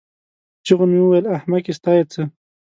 په چيغو مې وویل: احمقې ستا یې څه؟